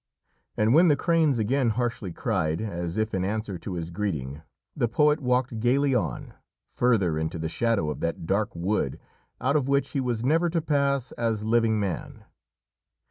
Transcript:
And when the cranes again harshly cried, as if in answer to his greeting, the poet walked gaily on, further into the shadow of that dark wood out of which he was never to pass as living man.